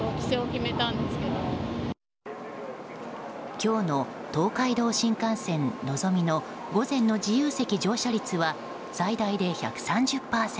今日の東海道新幹線「のぞみ」の午前の自由席乗車率は最大で１３０％。